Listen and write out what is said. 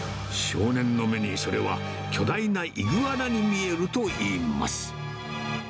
少年の目に、それは巨大なイグアナに見えるといいます。